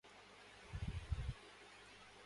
تعلیمی ، تفریحی اور سماجی پرو گرامز پیش کیے جائیں گے